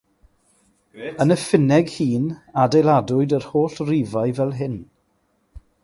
Yn y Ffinneg hŷn, adeiladwyd yr holl rifau fel hyn.